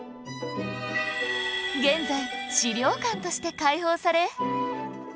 現在資料館として開放され